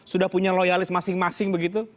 sudah punya loyalis masing masing begitu